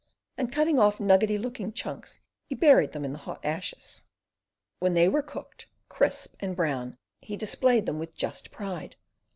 and cutting off nuggety looking chunks, he buried them in the hot ashes. When they were cooked, crisp and brown, he displayed them with just pride.